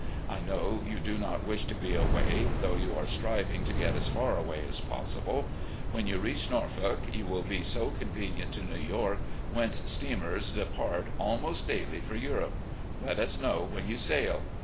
I know you do not wish to be away, though you are striving to get as far away as possible. When you reach Norfolk, you will be so convenient to New York, whence steamers depart almost daily for Europe. Let us know when you sail.